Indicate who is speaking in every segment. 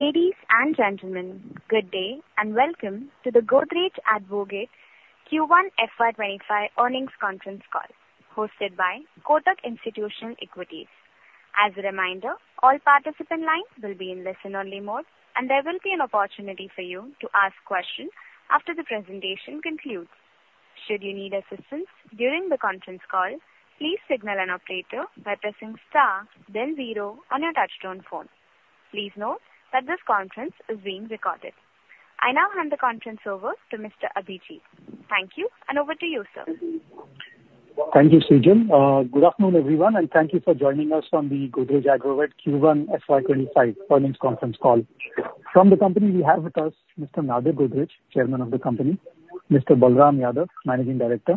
Speaker 1: Ladies and gentlemen, good day, and welcome to the Godrej Agrovet Q1 FY 2025 earnings conference call, hosted by Kotak Institutional Equities. As a reminder, all participant lines will be in listen-only mode, and there will be an opportunity for you to ask questions after the presentation concludes. Should you need assistance during the conference call, please signal an operator by pressing star then zero on your touch-tone phone. Please note that this conference is being recorded. I now hand the conference over to Mr. Abhijit. Thank you, and over to you, sir.
Speaker 2: Thank you, Sejal. Good afternoon, everyone, and thank you for joining us on the Godrej Agrovet Q1 FY 2025 earnings conference call. From the company, we have with us Mr. Nadir Godrej, Chairman of the company, Mr. Balram Yadav, Managing Director,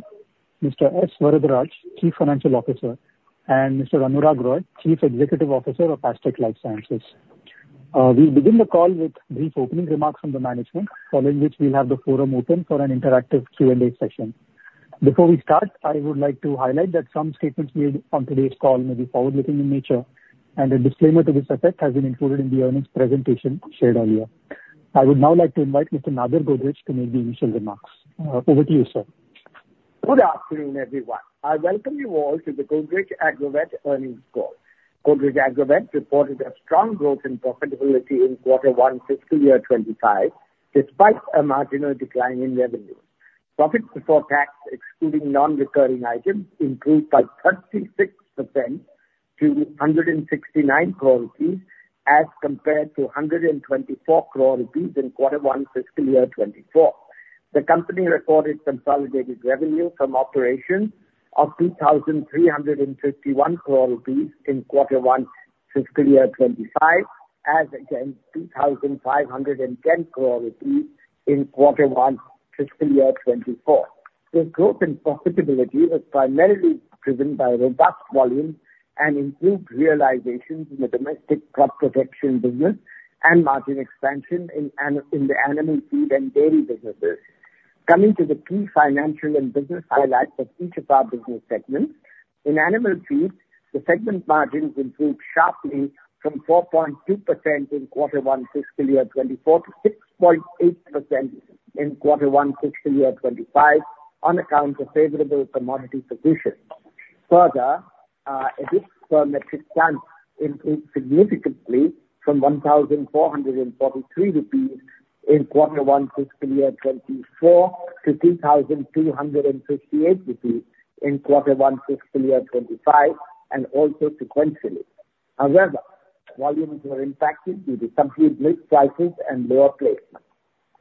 Speaker 2: Mr. S. Varadaraj, Chief Financial Officer, and Mr. Anurag Roy, Chief Executive Officer of Astec LifeSciences. We'll begin the call with brief opening remarks from the management, following which we'll have the forum open for an interactive Q&A session. Before we start, I would like to highlight that some statements made on today's call may be forward-looking in nature, and a disclaimer to this effect has been included in the earnings presentation shared earlier. I would now like to invite Mr. Nadir Godrej to make the initial remarks. Over to you, sir.
Speaker 3: Good afternoon, everyone. I welcome you all to the Godrej Agrovet earnings call. Godrej Agrovet reported a strong growth in profitability in quarter one, fiscal year 2025, despite a marginal decline in revenue. Profits before tax, excluding non-recurring items, improved by 36% to 169 crore rupees as compared to 124 crore rupees in quarter one, fiscal year 2024. The company reported consolidated revenue from operations of 2,351 crore rupees in quarter one, fiscal year 2025, and again, 2,510 crore rupees in quarter one, fiscal year 2024. The growth in profitability was primarily driven by robust volume and improved realizations in the domestic Crop Protection business and margin expansion in the Animal Feed and Dairy businesses. Coming to the key financial and business highlights of each of our business segments. In Animal Feed, the segment margins improved sharply from 4.2% in quarter one, fiscal year 2024, to 6.8% in quarter one, fiscal year 2025, on account of favorable commodity positions. Further, EBITDA margin improved significantly from 1,443 rupees in quarter one, fiscal year 2024, to 2,258 rupees in quarter one, fiscal year 2025, and also sequentially. However, volumes were impacted due to subdued milk prices and lower placements.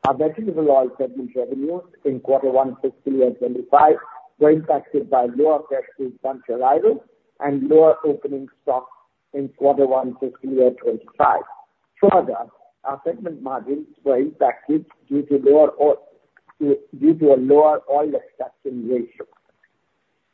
Speaker 3: Our Vegetable Oil segment revenues in quarter one, fiscal year 2025, were impacted by lower Fresh Fruit Bunch arrival and lower opening stock in quarter one, fiscal year 2025. Further, our segment margins were impacted due to a lower oil extraction ratio.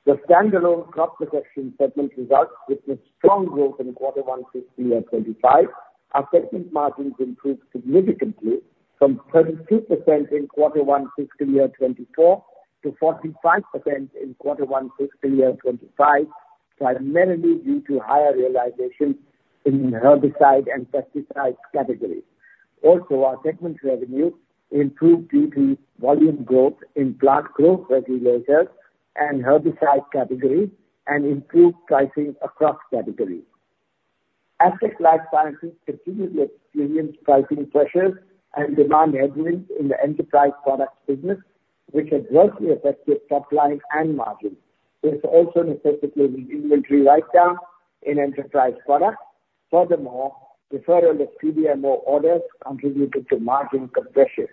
Speaker 3: The standalone Crop Protection segment results with a strong growth in quarter one, fiscal year 2025. Our segment margins improved significantly from 32% in quarter one, fiscal year 2024, to 45% in quarter one, fiscal year 2025, primarily due to higher realization in herbicide and pesticide categories. Also, our segment revenue improved due to volume growth in plant growth regulators and herbicide categories and improved pricing across categories. Astec LifeSciences continued to experience pricing pressures and demand headwinds in the enterprise products business, which adversely affected top line and margins. This also necessitated an inventory write-down in enterprise products. Furthermore, deferral of CDMO orders contributed to margin compression.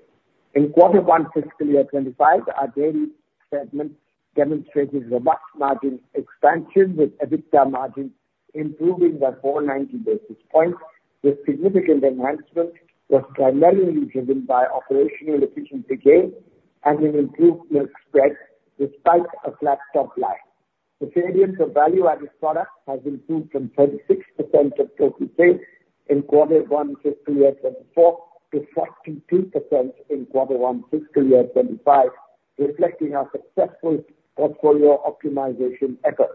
Speaker 3: In quarter one, fiscal year 2025, our Dairy segment demonstrated robust margin expansion, with EBITDA margin improving by 490 basis points. The significant enhancement was primarily driven by operational efficiency gain and an improved milk spread despite a flat top line. The cadence of value-added products has improved from 36% of total sales in quarter one, fiscal year 2024, to 42% in quarter one, fiscal year 2025, reflecting our successful portfolio optimization efforts.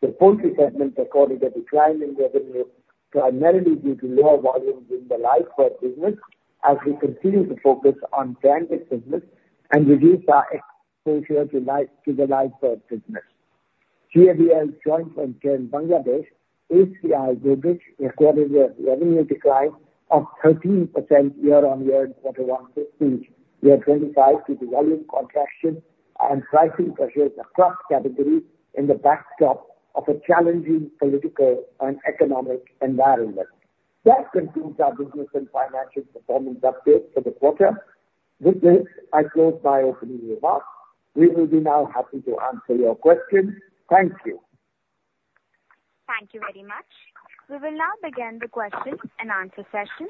Speaker 3: The Poultry segment recorded a decline in revenue, primarily due to lower volumes in the live bird business, as we continue to focus on branded business and reduce our exposure to live, to the live bird business. GAVL's joint venture in Bangladesh, ACI Godrej, recorded a revenue decline of 13% year-on-year in quarter one, fiscal year 2025, due to volume contraction and pricing pressures across categories in the backdrop of a challenging political and economic environment. That concludes our business and financial performance update for the quarter. With this, I close my opening remarks. We will be now happy to answer your questions. Thank you.
Speaker 1: Thank you very much. We will now begin the question-and-answer session.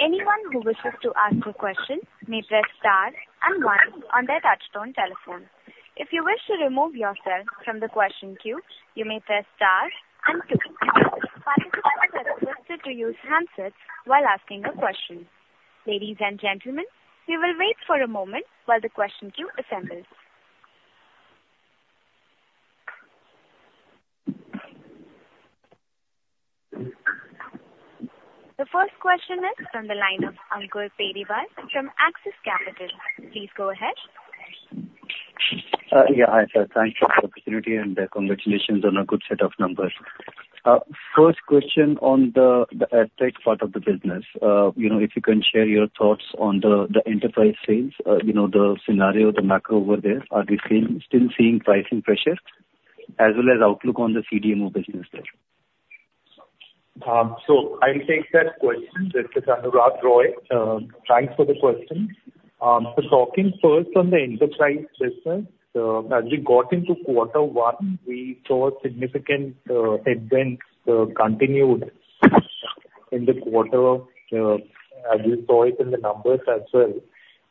Speaker 1: Anyone who wishes to ask a question may press star and one on their touch-tone telephone. If you wish to remove yourself from the question queue, you may press star and two. Participants are requested to use handsets while asking a question. Ladies and gentlemen, we will wait for a moment while the question queue assembles. The first question is from the line of Ankur Periwal from Axis Capital. Please go ahead.
Speaker 4: Yeah, hi, sir. Thank you for the opportunity, and congratulations on a good set of numbers. First question on the Astec part of the business. You know, if you can share your thoughts on the enterprise sales, you know, the scenario, the macro over there, are we seeing, still seeing pricing pressures, as well as outlook on the CDMO business there?
Speaker 5: So I'll take that question. This is Anurag Roy. Thanks for the question. So talking first on the enterprise business, as we got into quarter one, we saw significant headwind continued in the quarter, as you saw it in the numbers as well.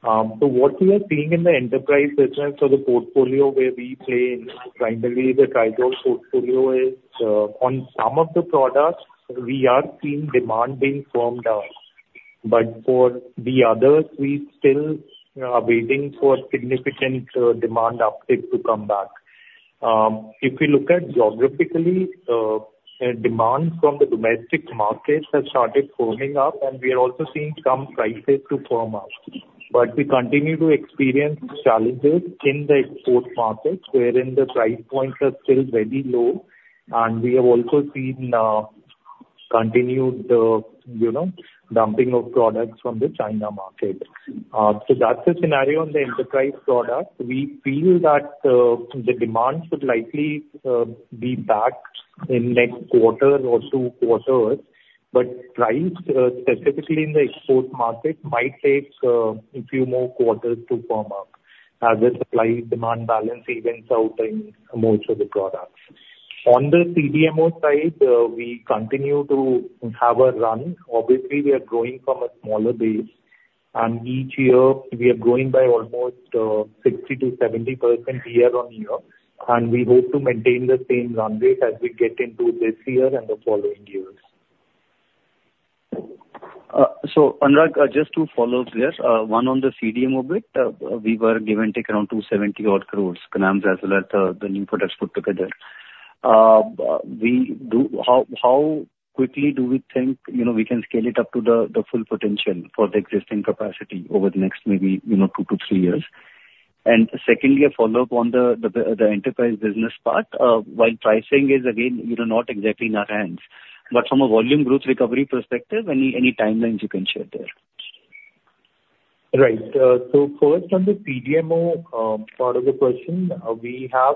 Speaker 5: So what we are seeing in the enterprise business or the portfolio where we play in, primarily the triazole portfolio, is, on some of the products, we are seeing demand being firmed up. But for the others, we still are waiting for significant demand uptick to come back. If you look at geographically, demand from the domestic markets has started firming up, and we are also seeing some prices to firm up. But we continue to experience challenges in the export markets, wherein the price points are still very low, and we have also seen continued, you know, dumping of products from the China market. So that's the scenario on the enterprise product. We feel that the demand should likely be back in next quarter or two quarters, but prices, specifically in the export market, might take a few more quarters to firm up as the supply-demand balance evens out in most of the products. On the CDMO side, we continue to have a run. Obviously, we are growing from a smaller base, and each year we are growing by almost 60%-70% year-on-year, and we hope to maintain the same run rate as we get into this year and the following years.
Speaker 4: So Anurag, just to follow-up there, one on the CDMO bit. We were give and take around 270-odd crores, as well as the new products put together. How quickly do we think, you know, we can scale it up to the full potential for the existing capacity over the next maybe, you know, 2-3 years? And secondly, a follow-up on the enterprise business part. While pricing is again, you know, not exactly in our hands, but from a volume growth recovery perspective, any timelines you can share there?
Speaker 5: Right. So first on the CDMO, part of the question, we have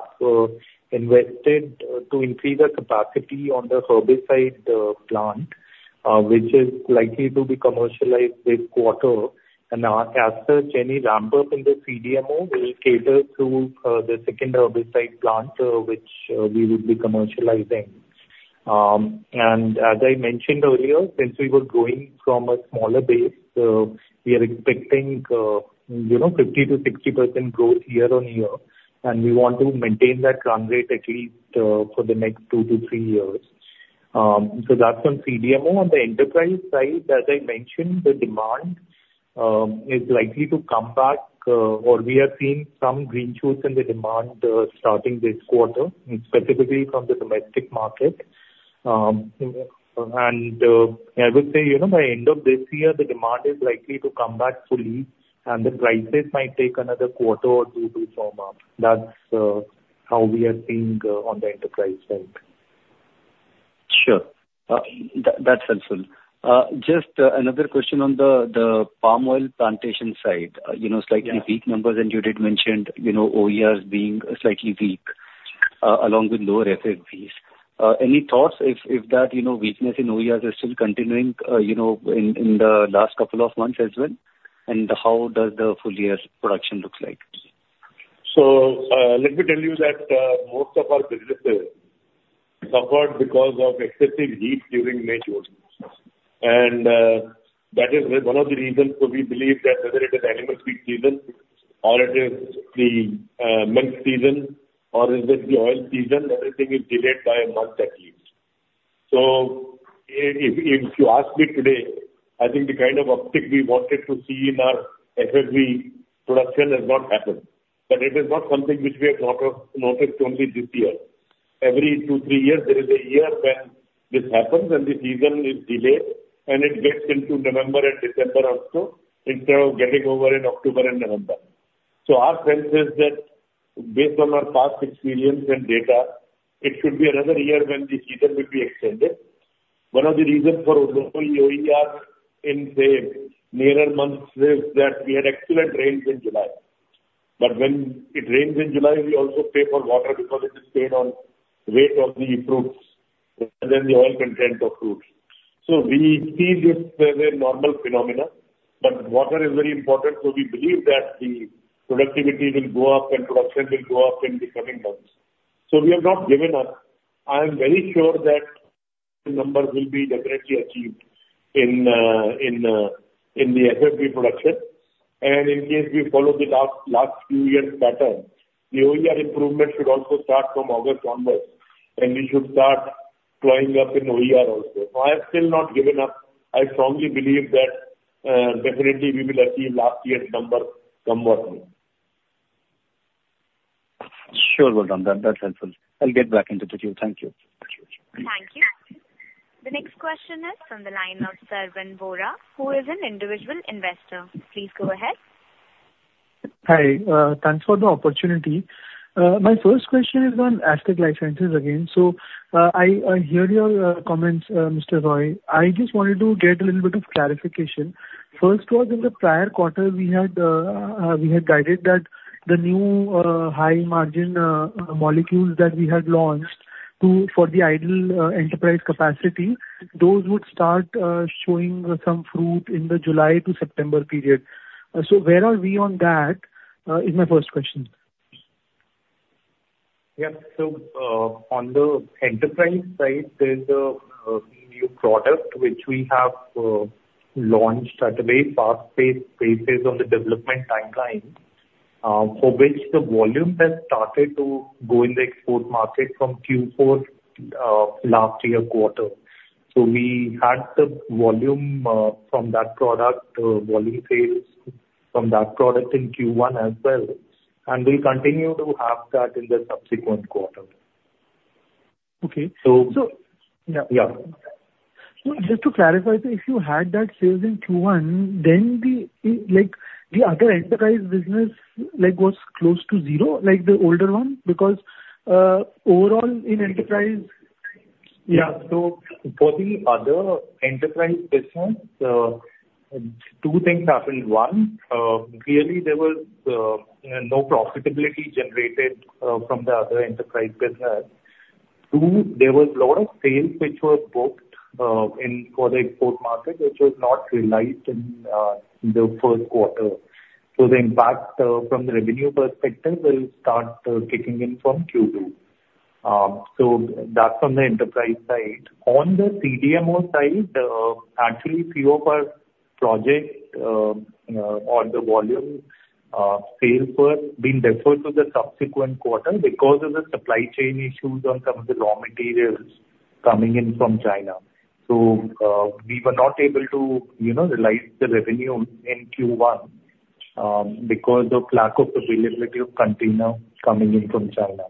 Speaker 5: invested to increase the capacity on the herbicide plant, which is likely to be commercialized this quarter. And, as such, any ramp-up in the CDMO will cater to the second herbicide plant, which we will be commercializing. And as I mentioned earlier, since we were growing from a smaller base, we are expecting, you know, 50%-60% growth year-on-year, and we want to maintain that run rate at least for the next two to three years. So that's on CDMO. On the enterprise side, as I mentioned, the demand is likely to come back, or we are seeing some green shoots in the demand starting this quarter, specifically from the domestic market. I would say, you know, by end of this year, the demand is likely to come back fully, and the prices might take another quarter or two to firm up. That's how we are seeing on the enterprise side.
Speaker 4: Sure. That's helpful. Just another question on the palm oil plantation side. You know-
Speaker 5: Yeah.
Speaker 4: Slightly weak numbers, and you did mention, you know, OERs being slightly weak, along with lower FFBs. Any thoughts if, if that, you know, weakness in OERs is still continuing, you know, in, in the last couple of months as well? And how does the full year's production look like?
Speaker 6: Let me tell you that most of our businesses suffered because of excessive heat during May, June. That is one of the reasons so we believe that whether it is Animal Feed season or it is the Milk season or it is the Oil season, everything is delayed by a month at least. If you ask me today, I think the kind of uptick we wanted to see in our FFB production has not happened. It is not something which we have noticed only this year. Every two, three years, there is a year when this happens, and the season is delayed, and it gets into November and December also, instead of getting over in October and November. So our sense is that based on our past experience and data, it should be another year when the season will be extended. One of the reasons for low OERs in the nearer months is that we had excellent rains in July. But when it rains in July, we also pay for water because it is paid on weight of the fruits and then the oil content of fruits. So we see this as a normal phenomenon. But water is very important, so we believe that the productivity will go up and production will go up in the coming months. So we have not given up. I am very sure that the numbers will be definitely achieved in the FFB production. In case we follow the last, last few years' pattern, the OER improvement should also start from August onwards, and we should start growing up in OER also. So I have still not given up. I strongly believe that, definitely we will achieve last year's number somewhat....
Speaker 4: Sure, well done. That, that's helpful. I'll get back into the queue. Thank you.
Speaker 1: Thank you. The next question is from the line of Sravan Borra, who is an individual investor. Please go ahead.
Speaker 7: Hi, thanks for the opportunity. My first question is on Astec LifeSciences again. So, I hear your comments, Mr. Roy. I just wanted to get a little bit of clarification. First was in the prior quarter, we had guided that the new high margin molecules that we had launched to-- for the ideal enterprise capacity, those would start showing some fruit in the July to September period. So where are we on that? Is my first question.
Speaker 5: Yep. So, on the enterprise side, there's a new product which we have launched at a very fast-paced basis on the development timeline, for which the volume has started to go in the export market from Q4, last year quarter. So we had the volume, from that product, volume sales from that product in Q1 as well, and we'll continue to have that in the subsequent quarter.
Speaker 7: Okay.
Speaker 5: So-
Speaker 7: So-
Speaker 5: Yeah. Yeah.
Speaker 7: So just to clarify, so if you had that sales in Q1, then the, like, the other enterprise business, like, was close to zero, like the older one? Because, overall in enterprise-
Speaker 5: Yeah, so for the other enterprise business, two things happened. One, clearly there was no profitability generated from the other enterprise business. Two, there was a lot of sales which were booked for the export market, which was not realized in the first quarter. So the impact from the revenue perspective will start kicking in from Q2. So that's on the enterprise side. On the CDMO side, actually, few of our project or the volume sales were being deferred to the subsequent quarter because of the supply chain issues on some of the raw materials coming in from China. So, we were not able to, you know, realize the revenue in Q1, because of lack of availability of container coming in from China.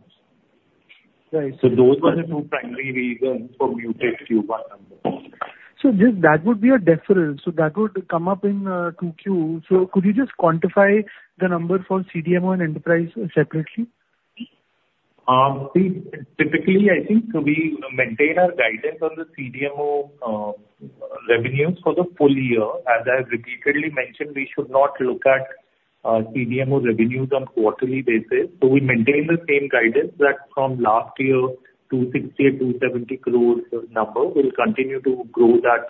Speaker 7: Right.
Speaker 5: Those were the two primary reasons for muted Q1 numbers.
Speaker 7: So just, that would be a deferral, so that would come up in 2Q. So could you just quantify the number for CDMO and enterprise separately?
Speaker 5: We typically, I think, we maintain our guidance on the CDMO revenues for the full year. As I have repeatedly mentioned, we should not look at CDMO revenues on quarterly basis. So we maintain the same guidance that from last year, 260 crore-270 crore number, we'll continue to grow that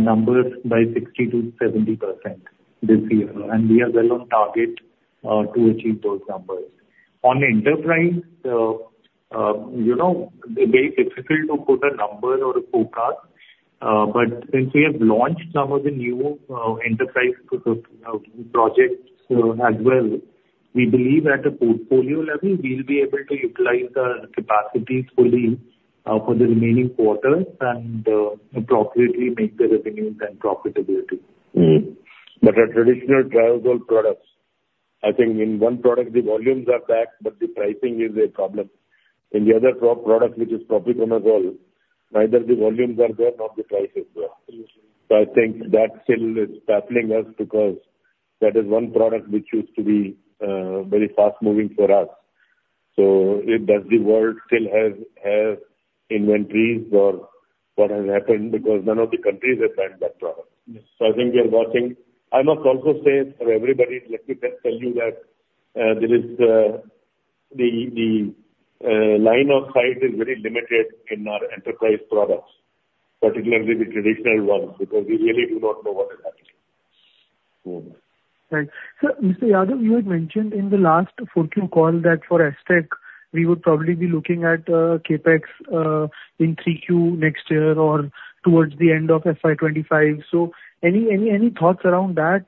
Speaker 5: numbers by 60%-70% this year, and we are well on target to achieve those numbers. On enterprise, you know, it's very difficult to put a number or a forecast, but since we have launched some of the new enterprise projects as well, we believe at a portfolio level, we'll be able to utilize the capacity fully for the remaining quarters and appropriately make the revenues and profitability.
Speaker 6: Mm-hmm. But our traditional triazole products, I think in one product the volumes are back, but the pricing is a problem. In the other product, which is propiconazole, neither the volumes are there nor the prices well. So I think that still is baffling us because that is one product which used to be very fast-moving for us. So does the world still have inventories or what has happened? Because none of the countries have banned that product.
Speaker 7: Yes.
Speaker 6: So I think we are watching. I must also say for everybody, let me just tell you that the line of sight is very limited in our enterprise products, particularly the traditional ones, because we really do not know what is happening.
Speaker 7: Right. So, Mr. Yadav, you had mentioned in the last 4Q call that for Astec, we would probably be looking at Capex in 3Q next year or towards the end of FY 2025. So any, any, any thoughts around that?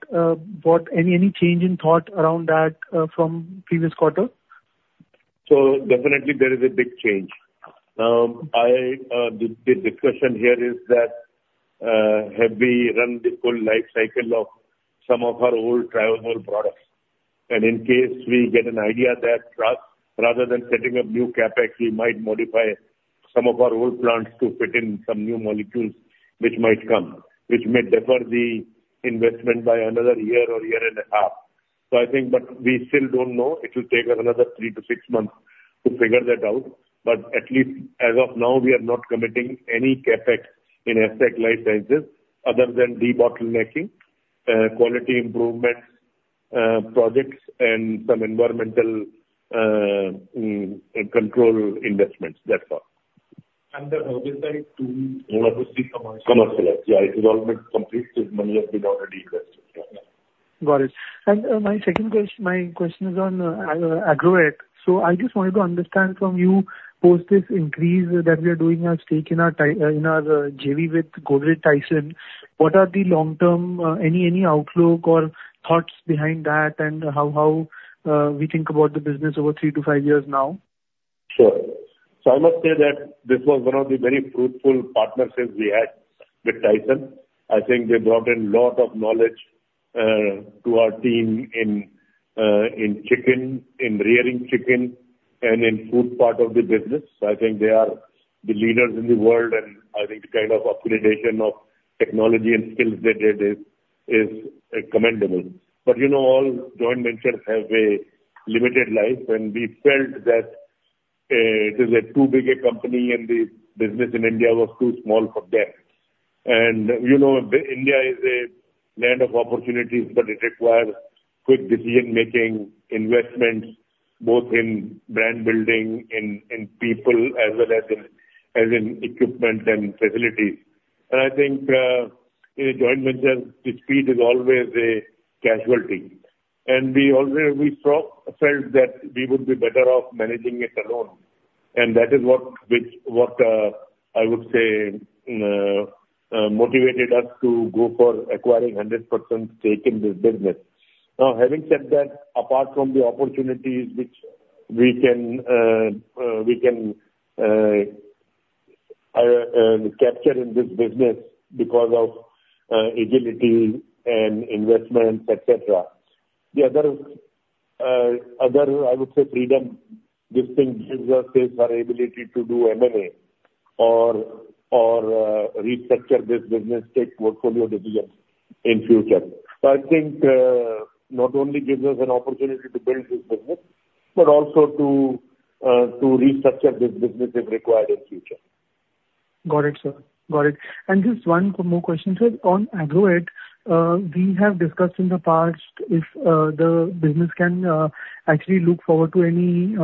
Speaker 7: What - any, any change in thought around that, from previous quarter?
Speaker 6: So definitely there is a big change. The discussion here is that, have we run the full life cycle of some of our old triazole products? And in case we get an idea that rather than setting up new Capex, we might modify some of our old plants to fit in some new molecules which might come, which may defer the investment by another year or year and a half. So I think, but we still don't know. It will take us another 3-6 months to figure that out, but at least as of now, we are not committing any Capex in Astec LifeSciences other than debottlenecking, quality improvements, projects and some environmental, control investments. That's all.
Speaker 5: The other side, too, commercial.
Speaker 6: Commercial, yeah, it is almost complete since money has been already invested.
Speaker 7: Got it. And, my second question is on Agrovet. So I just wanted to understand from you, post this increase that we are doing our stake in our JV with Godrej Tyson, what are the long-term, any outlook or thoughts behind that, and how we think about the business over 3-5 years now?...
Speaker 6: Sure. So I must say that this was one of the very fruitful partnerships we had with Tyson. I think they brought in lot of knowledge to our team in chicken, in rearing chicken, and in food part of the business. So I think they are the leaders in the world, and I think the kind of up-gradation of technology and skills they did is commendable. But, you know, all joint ventures have a limited life, and we felt that it is a too big a company, and the business in India was too small for them. And, you know, India is a land of opportunities, but it requires quick decision-making, investments, both in brand building, in people, as well as in equipment and facilities. And I think in a joint venture, the speed is always a casualty. We also felt that we would be better off managing it alone, and that is what I would say motivated us to go for acquiring 100% stake in this business. Now, having said that, apart from the opportunities which we can capture in this business because of agility and investment, et cetera, the other freedom this thing gives us is our ability to do M&A or restructure this business, take portfolio decisions in future. So I think not only gives us an opportunity to build this business, but also to restructure this business if required in future.
Speaker 7: Got it, sir. Got it. And just one more question, sir. On Agrovet, we have discussed in the past if the business can actually look forward to any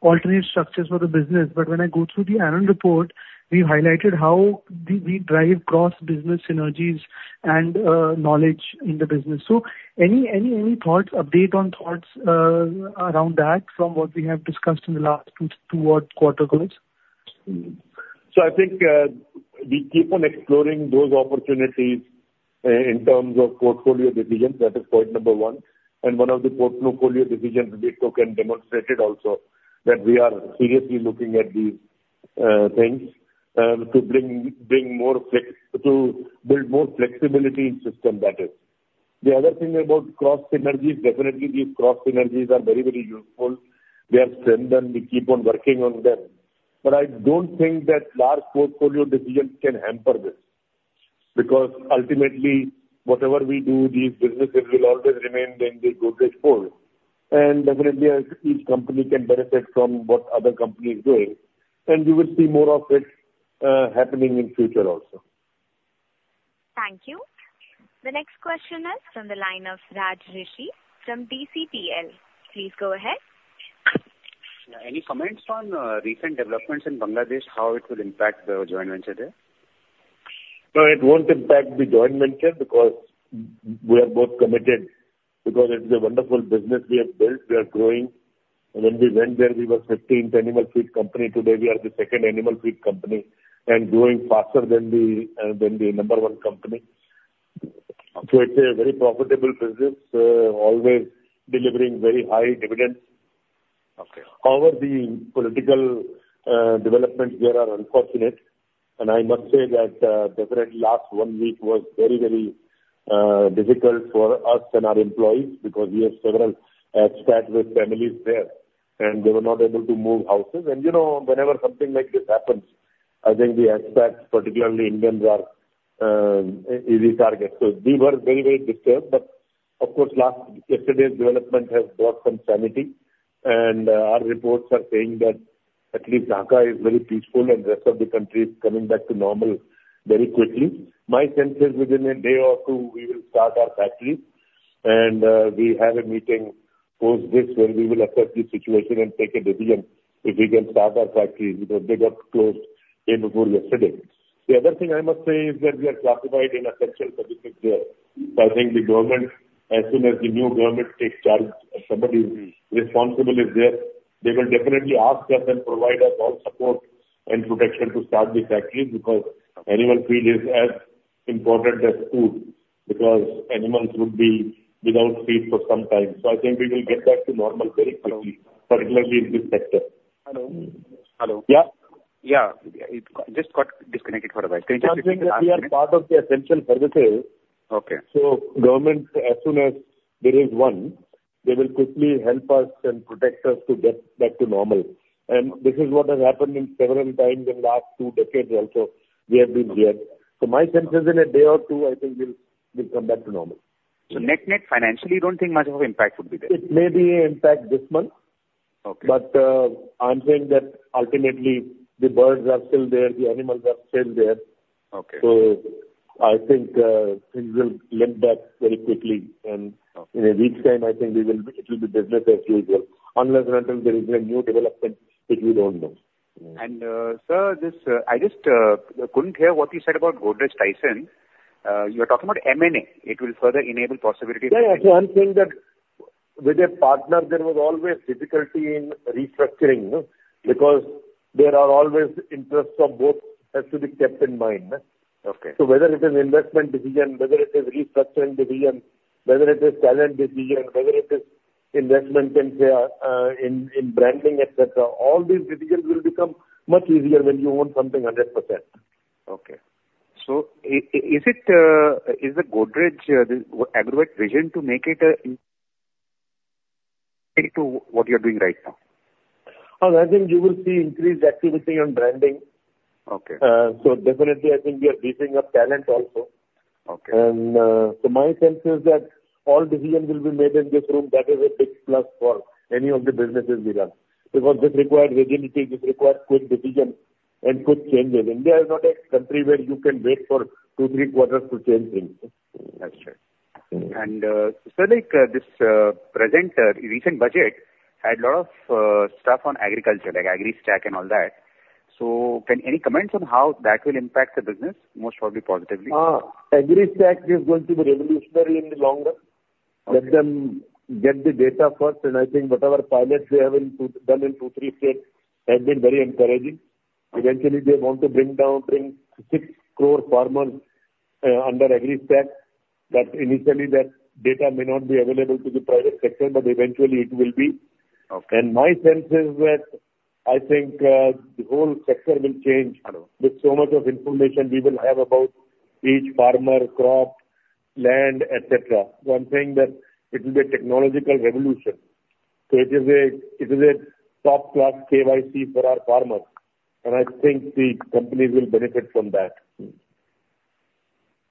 Speaker 7: alternate structures for the business. But when I go through the annual report, we highlighted how we, we drive cross-business synergies and knowledge in the business. So any, any, any thoughts, update on thoughts around that, from what we have discussed in the last two, two quarter goals?
Speaker 6: So I think, we keep on exploring those opportunities, in terms of portfolio decisions, that is point number one. And one of the portfolio decisions we took and demonstrated also, that we are seriously looking at these, things, to build more flexibility in system, that is. The other thing about cross synergies, definitely these cross synergies are very, very useful. We have strengthened them. We keep on working on them. But I don't think that large portfolio decisions can hamper this, because ultimately, whatever we do, these businesses will always remain in the Godrej fold. And definitely, as each company can benefit from what other companies do, and we will see more of it, happening in future also.
Speaker 1: Thank you. The next question is from the line of Raj Rishi from DCPL. Please go ahead.
Speaker 8: Yeah. Any comments on recent developments in Bangladesh, how it will impact the joint venture there?
Speaker 6: No, it won't impact the joint venture because we are both committed, because it's a wonderful business we have built. We are growing. When we went there, we were 15th Animal Feed company. Today, we are the second Animal Feed company and growing faster than the number one company. So it's a very profitable business, always delivering very high dividends.
Speaker 8: Okay.
Speaker 6: However, the political developments there are unfortunate, and I must say that definitely last one week was very, very difficult for us and our employees, because we have several expats with families there, and they were not able to move houses. And, you know, whenever something like this happens, I think the expats, particularly Indians, are easy targets. So we were very, very disturbed. But of course, yesterday's development has brought some sanity. And our reports are saying that at least Dhaka is very peaceful, and rest of the country is coming back to normal very quickly. My sense is, within a day or two, we will start our factory. And we have a meeting post this, where we will assess the situation and take a decision, if we can start our factory, because they got closed day before yesterday. The other thing I must say is that we are classified in essential services there. So I think the government, as soon as the new government takes charge, and somebody responsible is there, they will definitely ask us and provide us all support and protection to start the factory, because animal feed is as important as food, because animals would be without feed for some time. So I think we will get back to normal very quickly, particularly in this sector.
Speaker 8: Hello? Hello.
Speaker 6: Yeah.
Speaker 8: Yeah, it just got disconnected for a while. Can you just repeat the last minute?
Speaker 6: I think we are part of the essential services.
Speaker 8: Okay.
Speaker 6: Government, as soon as there is one, they will quickly help us and protect us to get back to normal. This is what has happened several times in the last two decades also; we have been here. My sense is, in a day or two, I think we'll come back to normal.
Speaker 8: Net-net, financially, you don't think much of an impact would be there?
Speaker 6: It may be an impact this month.
Speaker 8: Okay.
Speaker 6: But, I'm saying that ultimately the birds are still there, the animals are still there.
Speaker 8: Okay.
Speaker 6: I think, things will limp back very quickly.
Speaker 8: Okay.
Speaker 6: In a week's time, I think we will be, it will be business as usual, unless and until there is a new development which we don't know.
Speaker 8: Sir, I just couldn't hear what you said about Godrej Tyson. You're talking about M&A, it will further enable possibility?
Speaker 6: Yeah, yeah. I'm saying that with a partner, there was always difficulty in restructuring, no? Because... There are always interests of both has to be kept in mind.
Speaker 8: Okay.
Speaker 6: So whether it is investment decision, whether it is restructuring decision, whether it is talent decision, whether it is investment in branding, et cetera, all these decisions will become much easier when you own something 100%.
Speaker 8: Okay. So is it the Godrej Agrovet vision to make it into what you're doing right now?
Speaker 6: Well, I think you will see increased activity on branding.
Speaker 8: Okay.
Speaker 6: So definitely, I think we are beefing up talent also.
Speaker 8: Okay.
Speaker 6: And, so my sense is that all decisions will be made in this room. That is a big plus for any of the businesses we run, because this requires agility, this requires quick decisions and quick changes. India is not a country where you can wait for two, three quarters to change things.
Speaker 8: That's true. And, so like, this present recent budget had a lot of stuff on agriculture, like AgriStack and all that. So can any comments on how that will impact the business? Most probably positively.
Speaker 6: AgriStack is going to be revolutionary in the long run.
Speaker 8: Okay.
Speaker 6: Let them get the data first, and I think whatever pilots we have in 2-3 states has been very encouraging. Eventually, they want to bring down 6 crore farmers under AgriStack, but initially that data may not be available to the private sector, but eventually it will be.
Speaker 8: Okay.
Speaker 6: And my sense is that I think, the whole sector will change.
Speaker 8: I know.
Speaker 6: With so much information we will have about each farmer, crop, land, et cetera. So I'm saying that it will be a technological revolution. So it is a, it is a top class KYC for our farmers, and I think the companies will benefit from that.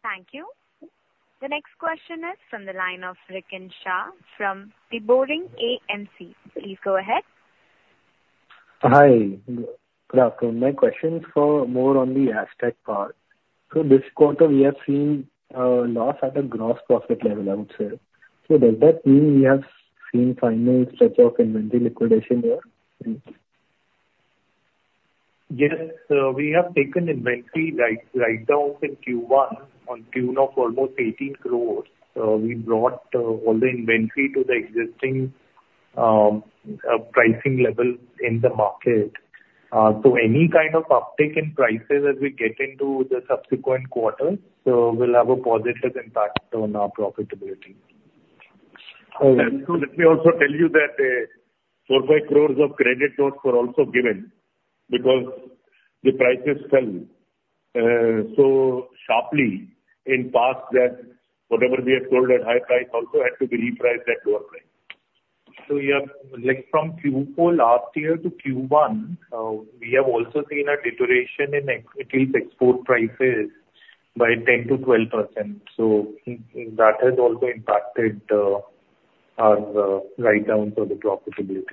Speaker 1: Thank you. The next question is from the line of Rikin Shah, from The Boring AMC. Please go ahead.
Speaker 9: Hi. Good afternoon. My question is for more on the Astec part. So this quarter we have seen loss at a gross profit level, I would say. So does that mean we have seen final stretch of inventory liquidation there?
Speaker 5: Yes. We have taken inventory write-off in Q1 to the tune of almost 18 crore. We brought all the inventory to the existing pricing level in the market. So any kind of uptick in prices as we get into the subsequent quarter will have a positive impact on our profitability.
Speaker 9: All right.
Speaker 6: Let me also tell you that 4.5 crores of credit notes were also given because the prices fell so sharply in the past that whatever we had sold at high price also had to be repriced at lower price.
Speaker 5: So, yeah, like from Q4 last year to Q1, we have also seen a deterioration in at least export prices by 10%-12%. So that has also impacted our write down for the profitability.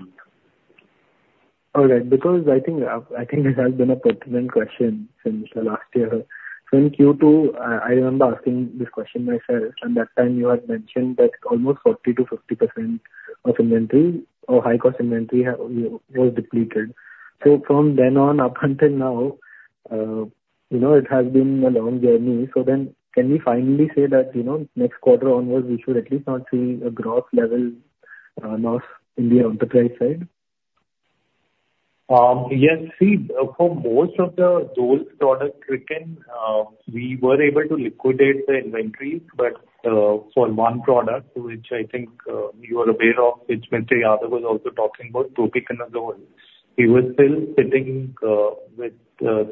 Speaker 9: All right. Because I think, I think this has been a pertinent question since the last year. So in Q2, I remember asking this question myself, and that time you had mentioned that almost 40%-50% of inventory or high-cost inventory was depleted. So from then on, up until now, you know, it has been a long journey. So then, can we finally say that, you know, next quarter onwards, we should at least not see a gross level loss in the enterprise side?
Speaker 5: Yes. See, for most of those products, Rikin, we were able to liquidate the inventory, but, for one product, which I think you are aware of, which Mr. Yadav was also talking about, propiconazole, we were still sitting with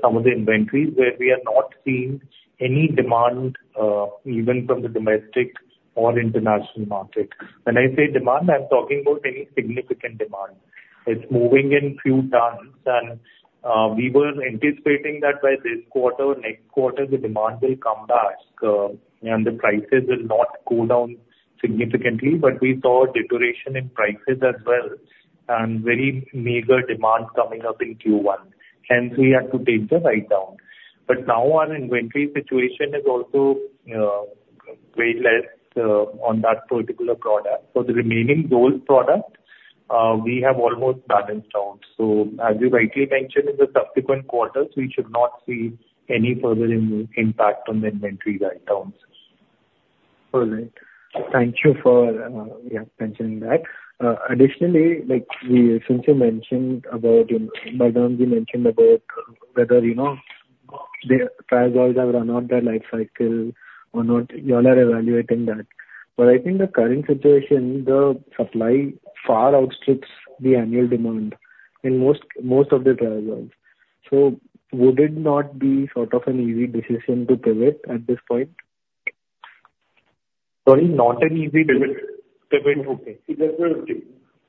Speaker 5: some of the inventories, where we are not seeing any demand even from the domestic or international market. When I say demand, I'm talking about any significant demand. It's moving in few tons, and we were anticipating that by this quarter or next quarter, the demand will come back and the prices will not go down significantly, but we saw deterioration in prices as well, and very meager demand coming up in Q1, hence we had to take the write-down. But now our inventory situation is also way less on that particular product. So the remaining those products, we have almost balanced out. So as you rightly mentioned, in the subsequent quarters, we should not see any further impact on the inventory write-downs.
Speaker 9: All right. Thank you for, yeah, mentioning that. Additionally, like, since you mentioned about, you mentioned about whether, you know, the triazoles have run out their life cycle or not, you all are evaluating that, but I think the current situation, the supply far outstrips the annual demand in most, most of the triazoles. So would it not be sort of an easy decision to pivot at this point?
Speaker 5: Sorry, not an easy-
Speaker 9: Pivot.
Speaker 5: Pivot. Okay.
Speaker 9: Exactly.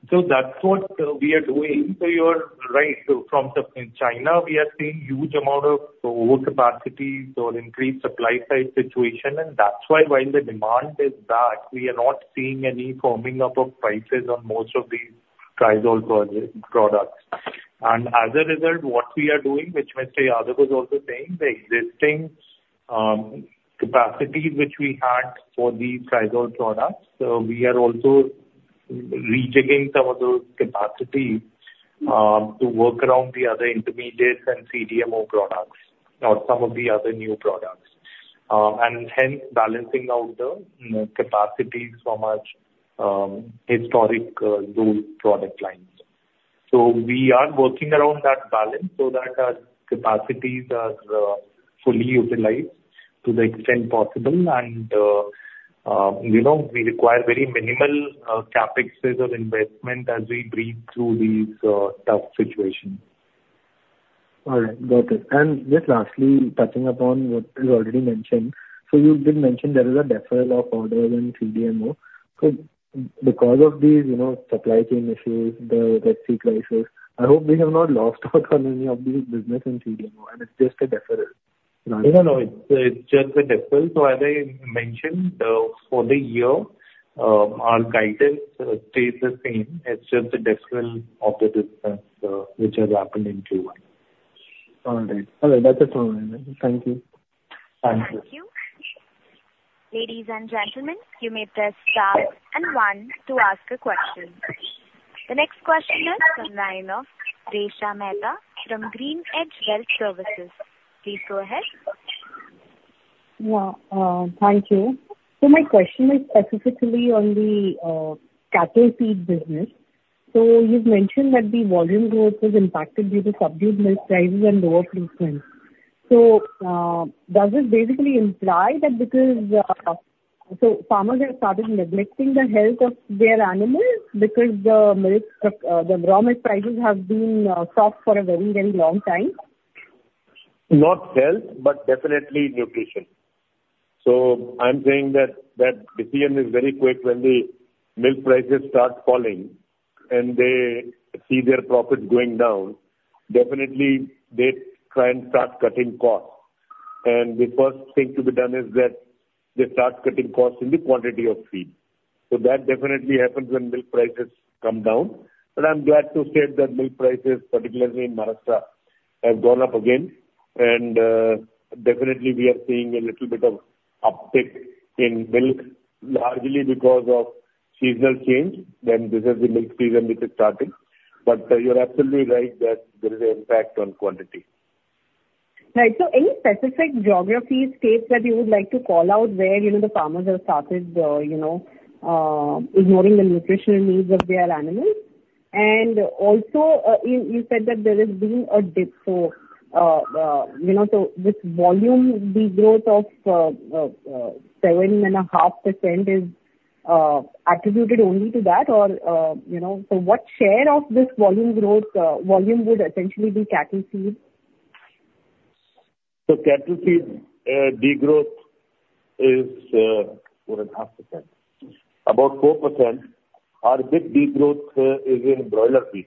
Speaker 5: So that's what we are doing. So you are right. So from In China, we are seeing huge amount of overcapacity or increased supply-side situation, and that's why while the demand is back, we are not seeing any firming up of prices on most of these triazole products. And as a result, what we are doing, which Mr. Yadav was also saying, the existing capacity which we had for the triazole products, we are also rechecking some of those capacities to work around the other intermediates and CDMO products or some of the other new products.... and hence balancing out the capacities from our historic those product lines. So we are working around that balance so that our capacities are fully utilized to the extent possible. And, you know, we require very minimal CapEx as our investment as we breathe through these tough situations.
Speaker 9: All right. Got it. Just lastly, touching upon what you already mentioned. So you did mention there is a deferral of orders in CDMO. So because of these, you know, supply chain issues, the Red Sea crisis, I hope we have not lost out on any of these business in CDMO, and it's just a deferral.
Speaker 5: No, no, it's, it's just a deferral. So as I mentioned, for the year, our guidance stays the same. It's just the deferral of the business, which has happened in Q1.
Speaker 9: All right. All right. That's it for now. Thank you.
Speaker 3: Thank you.
Speaker 1: Thank you. Ladies and gentlemen, you may press star and one to ask a question. The next question is from the line of Resha Mehta from GreenEdge Wealth Services. Please go ahead.
Speaker 10: Yeah. Thank you. So my question is specifically on the cattle feed business. So you've mentioned that the volume growth is impacted due to subdued milk prices and lower procurement. So, does this basically imply that because... So farmers have started neglecting the health of their animals because the milk, the raw milk prices have been soft for a very, very long time?
Speaker 6: Not health, but definitely nutrition. So I'm saying that, that decision is very quick when the milk prices start falling and they see their profits going down. Definitely, they try and start cutting costs, and the first thing to be done is that they start cutting costs in the quantity of feed. So that definitely happens when milk prices come down. But I'm glad to state that milk prices, particularly in Maharashtra, have gone up again. And, definitely we are seeing a little bit of uptick in milk, largely because of seasonal change, then this is the milk season which is starting. But, you're absolutely right that there is an impact on quantity.
Speaker 10: Right. So any specific geographies, states that you would like to call out where, you know, the farmers have started, you know, ignoring the nutritional needs of their animals? And also, you said that there has been a dip, so, you know, so this volume, the growth of 7.5% is attributed only to that or, you know. So what share of this volume growth, volume would essentially be cattle feed?
Speaker 6: So cattle feed, degrowth is 4.5%, about 4%. Our big degrowth is in broiler feed.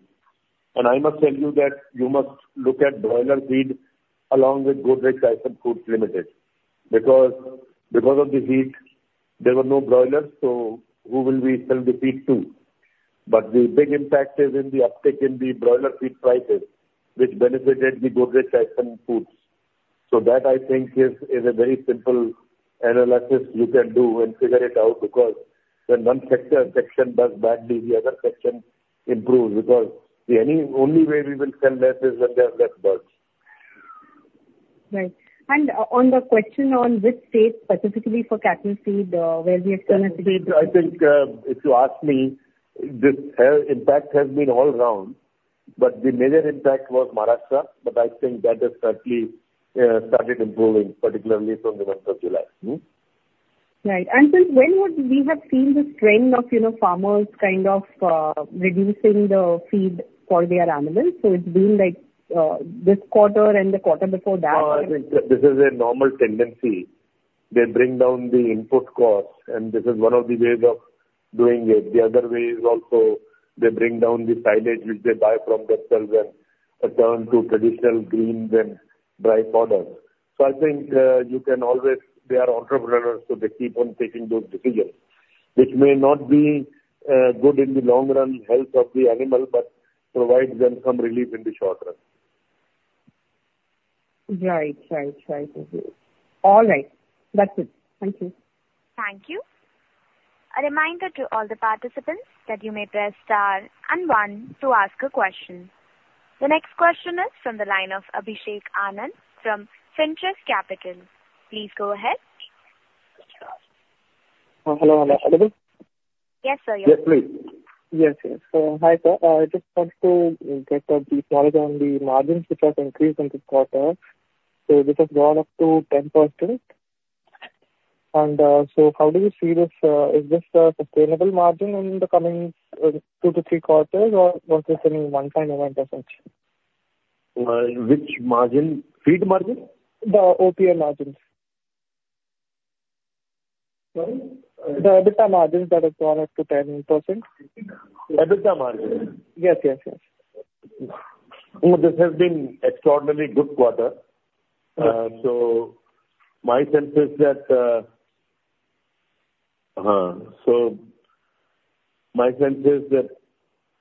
Speaker 6: And I must tell you that you must look at broiler feed along with Godrej Tyson Foods Ltd. Because, because of the heat, there were no broilers, so who will we sell the feed to? But the big impact is in the uptick in the broiler feed prices, which benefited the Godrej Tyson Foods. So that, I think, is a very simple analysis you can do and figure it out, because when one sector, section does badly, the other section improves. Because the only, only way we will sell less is when there are less birds.
Speaker 10: Right. And on the question on which state specifically for cattle feed, where we are seeing a-
Speaker 6: Cattle feed, I think, if you ask me, this, impact has been all round, but the major impact was Maharashtra, but I think that has certainly, started improving, particularly from the month of July. Hmm.
Speaker 10: Right. Since when would we have seen this trend of, you know, farmers kind of, reducing the feed for their animals? It's been, like, this quarter and the quarter before that.
Speaker 6: I think this is a normal tendency. They bring down the input costs, and this is one of the ways of doing it. The other way is also they bring down the silage which they buy from themselves and, turn to traditional greens and dry powders. So I think, you can always-- They are entrepreneurs, so they keep on taking those decisions, which may not be, good in the long run health of the animal, but provides them some relief in the short run.
Speaker 10: Right. Right. Right. All right. That's it. Thank you.
Speaker 1: Thank you. A reminder to all the participants that you may press Star and One to ask a question. The next question is from the line of Abhishek Anand from Centrum Broking Ltd. Please go ahead.
Speaker 11: Hello, hello. Hello?
Speaker 1: Yes, sir.
Speaker 6: Yes, please.
Speaker 11: Yes, yes. So, hi, sir. I just wanted to get the knowledge on the margins, which has increased in this quarter. So this has gone up to 10%. And, so how do you see this, is this a sustainable margin in the coming 2-3 quarters, or once again, 1.9%?
Speaker 6: Which margin? Feed margin?
Speaker 11: The OPM margins.
Speaker 6: Sorry?
Speaker 11: The EBITDA margins that have gone up to 10%.
Speaker 6: EBITDA margin?
Speaker 11: Yes, yes, yes.
Speaker 6: This has been extraordinarily good quarter.
Speaker 11: Right.
Speaker 6: So my sense is that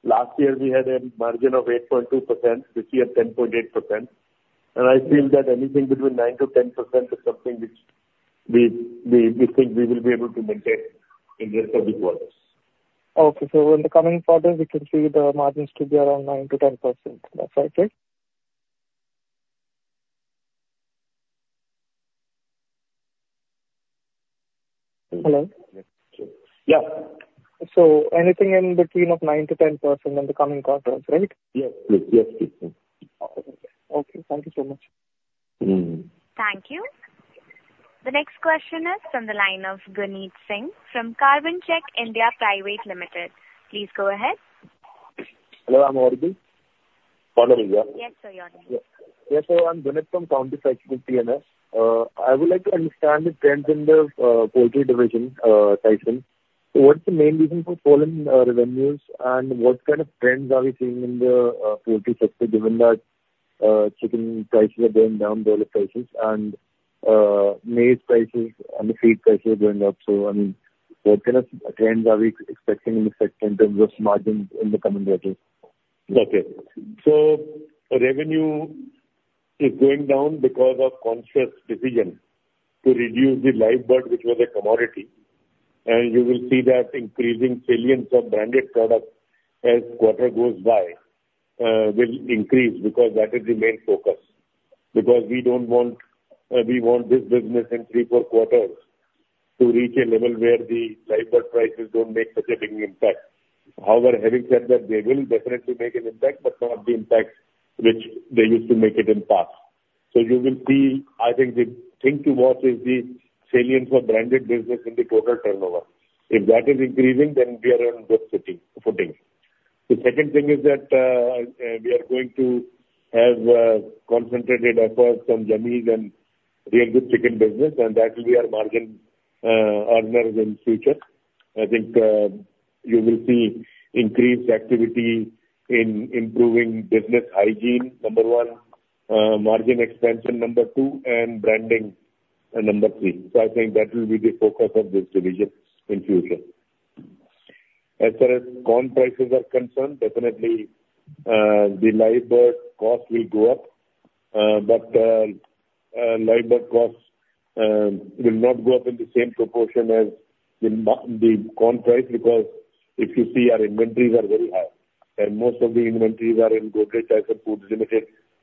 Speaker 6: last year we had a margin of 8.2%; this year, 10.8%. I feel that anything between 9%-10% is something which we, we, we think we will be able to maintain in future big quarters....
Speaker 11: Okay, so in the coming quarters, we can see the margins to be around 9%-10%. That's right? Hello?
Speaker 6: Yeah.
Speaker 11: Anything in between of 9%-10% in the coming quarters, right?
Speaker 6: Yes, please. Yes.
Speaker 11: Okay. Thank you so much.
Speaker 6: Mm-hmm.
Speaker 1: Thank you. The next question is from the line of Guneet Singh from Carbon Check (India) Private Ltd. Please go ahead.
Speaker 12: Hello, I'm Guneet.
Speaker 6: Sorry.
Speaker 1: Yes, sir, you're there.
Speaker 12: Yes, so I'm Guneet from Carbon Check India. I would like to understand the trends in the poultry division, Tyson. What's the main reason for falling revenues, and what kind of trends are we seeing in the poultry sector, given that chicken prices are going down below the prices and maize prices and the feed prices are going up so, I mean, what kind of trends are we expecting in the sector in terms of margins in the coming quarters?
Speaker 6: Okay. So the revenue is going down because of conscious decision to reduce the live bird, which was a commodity. And you will see that increasing salience of branded products as quarter goes by will increase because that is the main focus. Because we don't want. We want this business in three, four quarters to reach a level where the live bird prices don't make such a big impact. However, having said that, they will definitely make an impact, but not the impact which they used to make it in past. So you will see, I think the thing to watch is the salience for branded business in the total turnover. If that is increasing, then we are on good footing. The second thing is that we are going to have concentrated efforts on Godrej Yummiez and Real Good Chicken business, and that will be our margin earner in future. I think you will see increased activity in improving business hygiene, number one, margin expansion, number two, and branding, number three. So I think that will be the focus of this division in future. As far as corn prices are concerned, definitely the live bird cost will go up. But live bird costs will not go up in the same proportion as the corn price, because if you see, our inventories are very high, and most of the inventories are in Godrej Tyson Foods Ltd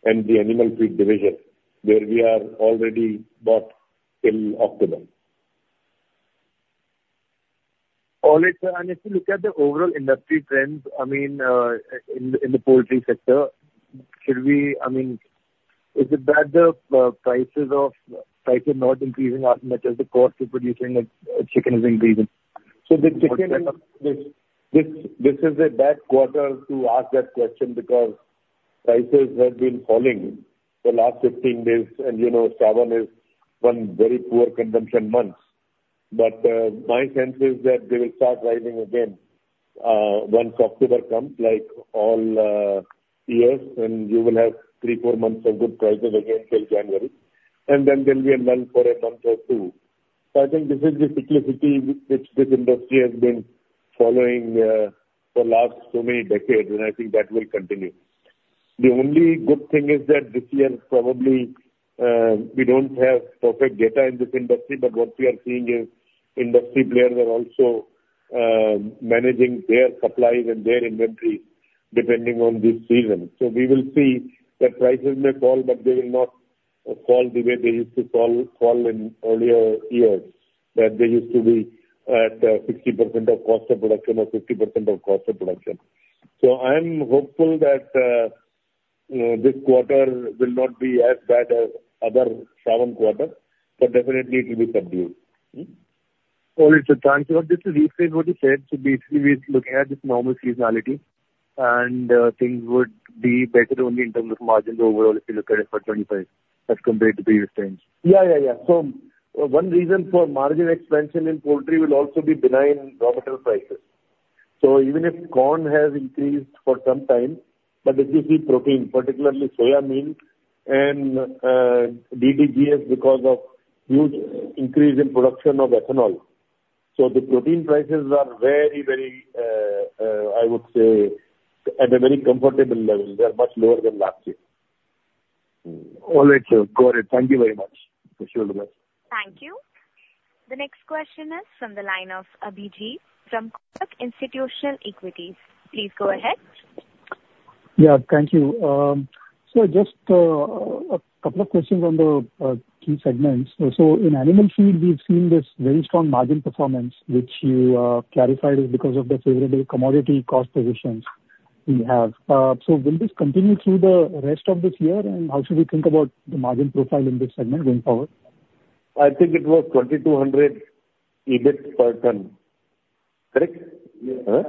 Speaker 6: and the Animal Feed division, where we are already bought in October.
Speaker 12: All right, sir. If you look at the overall industry trends, I mean, in the poultry sector, should we—I mean, is it that the prices are not increasing as much as the cost of producing a chicken is increasing?
Speaker 6: So the chicken, this is a bad quarter to ask that question, because prices have been falling for the last 15 days, and, you know, Sawan is one very poor consumption months. But, my sense is that they will start rising again, once October comes, like all years, and you will have three, four months of good prices again till January, and then there'll be a lull for a month or two. So I think this is the cyclicity which this industry has been following, for the last so many decades, and I think that will continue. The only good thing is that this year, probably, we don't have perfect data in this industry, but what we are seeing is industry players are also managing their supplies and their inventory depending on this season. So we will see that prices may fall, but they will not fall the way they used to fall, fall in earlier years, that they used to be at 60% of cost of production or 50% of cost of production. So I am hopeful that this quarter will not be as bad as other Sawan quarters, but definitely it will be subdued.
Speaker 12: All right, sir. Thank you. Just to rephrase what you said, so basically we're looking at this normal seasonality, and, things would be better only in terms of margins overall, if you look at it for 2025 as compared to previous times.
Speaker 6: Yeah, yeah, yeah. So one reason for margin expansion in poultry will also be benign raw material prices. So even if corn has increased for some time, but if you see protein, particularly soya, maize, and DDGS, because of huge increase in production of ethanol. So the protein prices are very, very, I would say, at a very comfortable level. They are much lower than last year.
Speaker 12: All right, sir. Got it. Thank you very much.
Speaker 6: Sure the best.
Speaker 1: Thank you. The next question is from the line of Abhijit from Kotak Institutional Equities. Please go ahead.
Speaker 2: Yeah, thank you. So just a couple of questions on the key segments. So in Animal Feed, we've seen this very strong margin performance, which you clarified is because of the favorable commodity cost positions you have. So will this continue through the rest of this year? And how should we think about the margin profile in this segment going forward?
Speaker 6: I think it was 2,200 EBIT per ton. Correct?
Speaker 2: Yeah.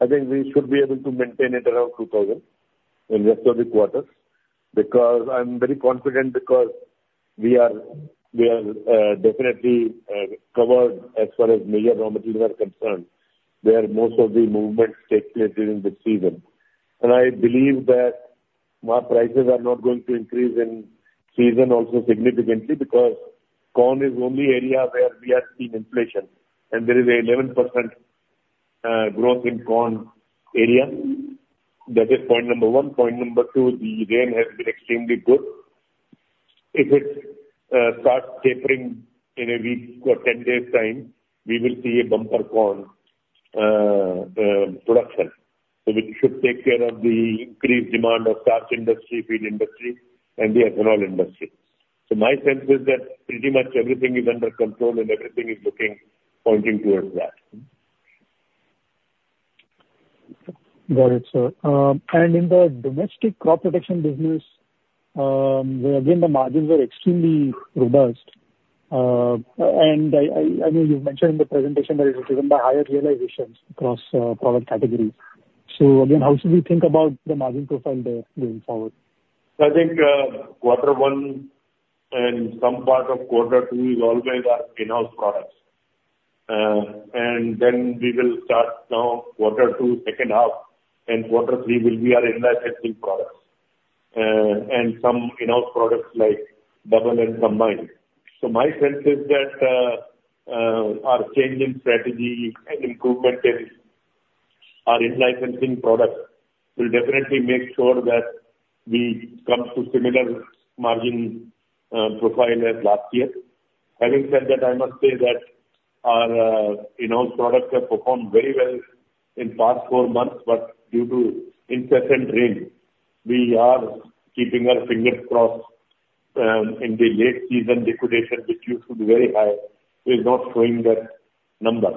Speaker 6: I think we should be able to maintain it around 2,000 in rest of the quarters, because I'm very confident, because we are, we are, definitely, covered as far as major raw materials are concerned, where most of the movements take place during the season. And I believe that our prices are not going to increase in season also significantly because corn is only area where we have seen inflation, and there is an 11%, growth in corn area. That is point number one. Point number two, the rain has been extremely good. If it starts tapering in a week or 10 days' time, we will see a bumper corn production. So it should take care of the increased demand of starch industry, feed industry and the ethanol industry. My sense is that pretty much everything is under control, and everything is looking, pointing towards that.
Speaker 2: Got it, sir. And in the domestic Crop Protection business, where again, the margins are extremely robust. And I know you've mentioned in the presentation that it is driven by higher realizations across product categories. So again, how should we think about the margin profile there going forward?
Speaker 6: I think, quarter one and some part of quarter two is always our in-house products. And then we will start now quarter two, second half, and quarter three will be our in-licensing products, and some in-house products like Double and Combine. So my sense is that, our changing strategy and improvement in our in-licensing products will definitely make sure that we come to similar margin profile as last year. Having said that, I must say that our, in-house products have performed very well in past four months, but due to incessant rain, we are keeping our fingers crossed, in the late season liquidation, which used to be very high, is not showing that number.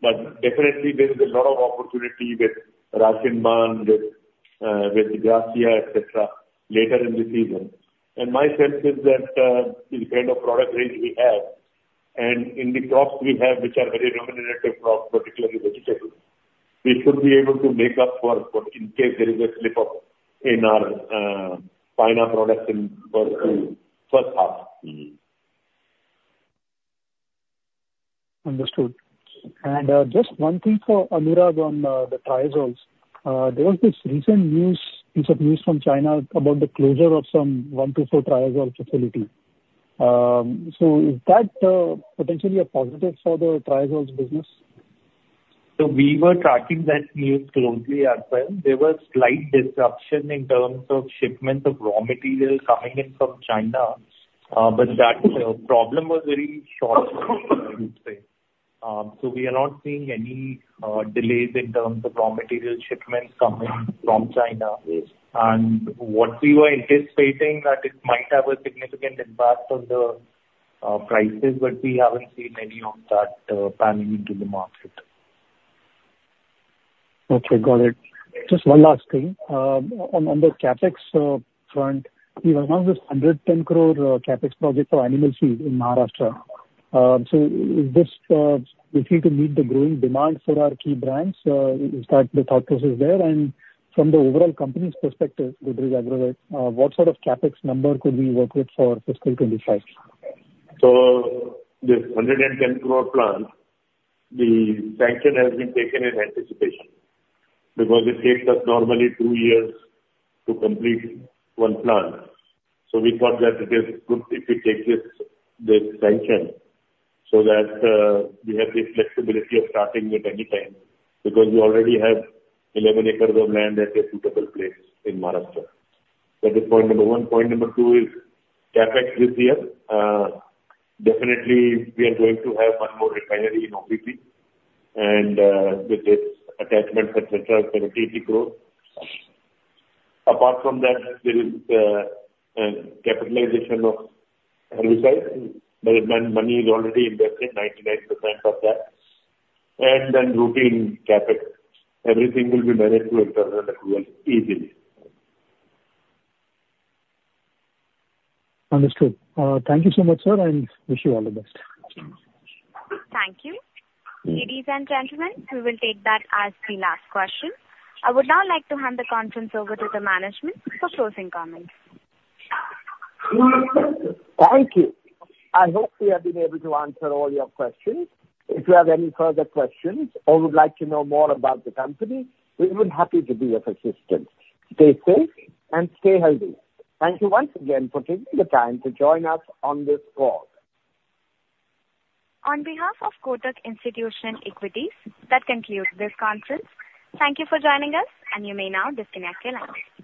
Speaker 6: But definitely there is a lot of opportunity with Rashinban, with, with Gracia, et cetera, later in the season. My sense is that the kind of product range we have and in the crops we have, which are very remunerative crops, particularly vegetables, we should be able to make up for in case there is a slip up in our final products in quarter two, first half. Mm-hmm.
Speaker 2: Understood. And, just one thing for Anurag on the triazoles. There was this recent news, piece of news from China about the closure of some 1, 2, 4-triazole facility. So is that potentially a positive for the triazoles business?
Speaker 5: So we were tracking that news closely as well. There was slight disruption in terms of shipment of raw materials coming in from China, but that problem was very short, I would say. So we are not seeing any delays in terms of raw material shipments coming from China.
Speaker 2: Yes.
Speaker 5: What we were anticipating, that it might have a significant impact on the prices, but we haven't seen any of that panning into the market.
Speaker 2: Okay, got it. Just one last thing. On, on the CapEx front, you announced this 110 crore CapEx project for Animal Feed in Maharashtra. So is this, if you could meet the growing demand for our key brands, is that the thought process there? And from the overall company's perspective with regard to that, what sort of CapEx number could we work with for fiscal 2025?
Speaker 6: So this 110 crore plant, the sanction has been taken in anticipation, because it takes us normally two years to complete one plant. So we thought that it is good if we take this sanction, so that we have the flexibility of starting it anytime, because we already have 11 acres of land at a suitable place in Maharashtra. That is point number one. Point number two is CapEx this year. Definitely we are going to have one more refinery in OPP, and with its attachments, et cetera, INR 30 crore. Apart from that, there is capitalization of herbicides. Money is already invested, 99% of that, and then routine CapEx. Everything will be managed through internal accrual easily.
Speaker 2: Understood. Thank you so much, sir, and wish you all the best.
Speaker 1: Thank you. Ladies and gentlemen, we will take that as the last question. I would now like to hand the conference over to the management for closing comments.
Speaker 3: Thank you. I hope we have been able to answer all your questions. If you have any further questions or would like to know more about the company, we'll be happy to be of assistance. Stay safe and stay healthy. Thank you once again for taking the time to join us on this call.
Speaker 1: On behalf of Kotak Institutional Equities, that concludes this conference. Thank you for joining us, and you may now disconnect your lines.